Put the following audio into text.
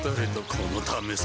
このためさ